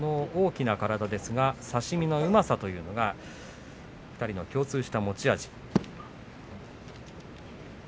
大きな体ですが差し身のうまさというのが２人の共通した持ち味。